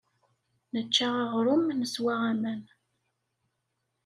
Nečča aɣrum, neswa aman.